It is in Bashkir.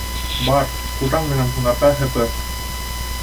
— Бар, хужаң менән һунарға һыпырт.